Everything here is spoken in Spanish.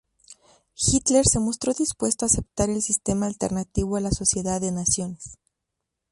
Hitler se mostró dispuesto a aceptar el sistema alternativo a la Sociedad de Naciones.